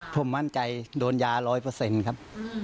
ผมมั่นใจโดนยา๑๐๐ครับ